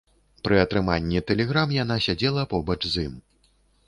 Пры атрыманні тэлеграм яна сядзела побач з ім.